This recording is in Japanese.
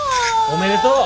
おめでとう！